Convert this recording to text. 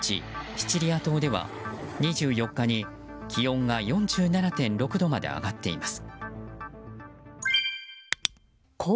シチリア島では２４日に気温が４７．６度まで上がっています。